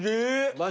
マジ？